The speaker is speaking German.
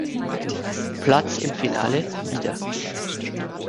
Platz im Finale wieder.